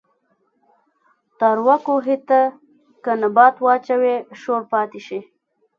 تاروۀ کوهي ته کۀ نبات واچوې شور پاتې شي